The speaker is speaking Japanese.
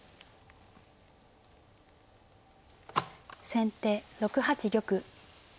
先手６八玉。